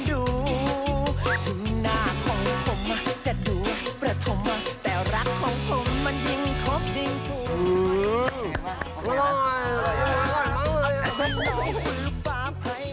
เดี๋ยวลองทำดูว่ารสชาติจะเป็นยังไง